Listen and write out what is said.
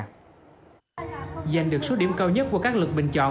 nhiều nhân tố mới đã được vinh danh được số điểm cao nhất qua các lực bình chọn